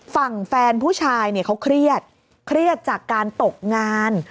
ฝั่งแฟนผู้ชายเนี่ยเขาเครียดเครียดจากการตกงาน